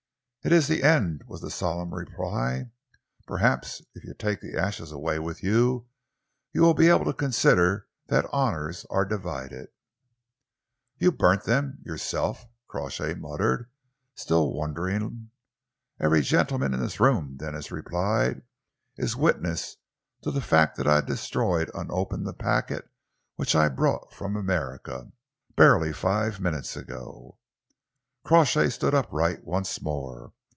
"It is the end," was the solemn reply. "Perhaps if you take the ashes away with you, you will be able to consider that honours are divided." "You burnt them yourself?" Crawshay muttered, still wondering. "Every gentleman in this room," Denis replied, "is witness of the fact that I destroyed unopened the packet which I brought from America, barely five minutes ago." Crawshay stood upright once more.